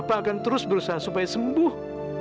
bapak akan terus berusaha supaya sembuh